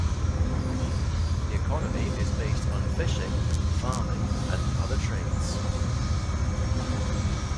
The economy is based on fishing, farming, and other trades.